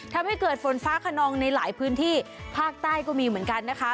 ทำให้เกิดฝนฟ้าขนองในหลายพื้นที่ภาคใต้ก็มีเหมือนกันนะคะ